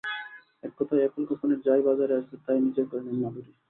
এককথায় অ্যাপল কোম্পানির যা-ই বাজারে আসবে, তা-ই নিজের করে নেন মাধুরী।